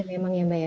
memang ya mbak ya